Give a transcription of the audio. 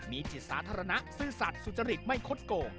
มีจิตสาธารณะซื่อสัตว์สุจริตไม่คดโก